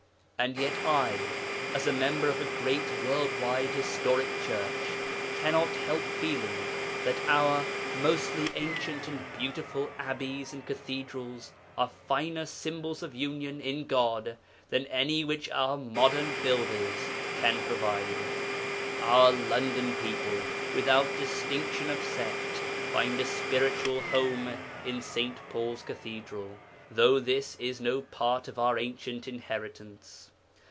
And yet I, as a member of a great world wide historic church, cannot help feeling that our (mostly) ancient and beautiful abbeys and cathedrals are finer symbols of union in God than any which our modern builders can provide. Our London people, without distinction of sect, find a spiritual home in St. Paul's Cathedral, though this is no part of our ancient inheritance.